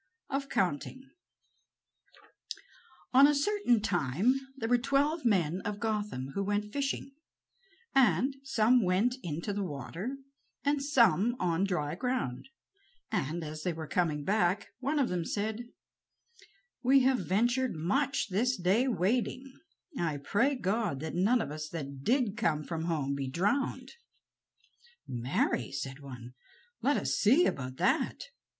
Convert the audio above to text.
OF COUNTING On a certain time there were twelve men of Gotham who went fishing, and some went into the water and some on dry ground; and, as they were coming back, one of them said: "We have ventured much this day wading; I pray God that none of us that did come from home be drowned." "Marry," said one, "let us see about that.